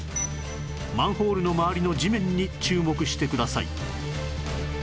マンホールの周りの地面に注目してください